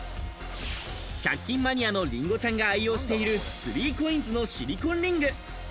１００均マニアのりんごちゃんが愛用している、スリーコインズのシリコンリング。